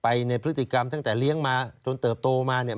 ในพฤติกรรมตั้งแต่เลี้ยงมาจนเติบโตมาเนี่ย